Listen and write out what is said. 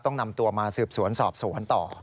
ต้องนำตัวมาสืบสวนสอบสวนต่อ